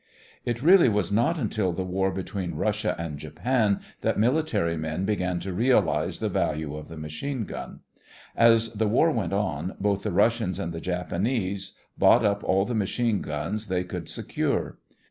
It really was not until the war between Russia and Japan that military men began to realize the value of the machine gun. As the war went on, both the Russians and the Japanese bought up all the machine guns they could secure.